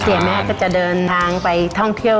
แม่ก็จะเดินทางไปท่องเที่ยว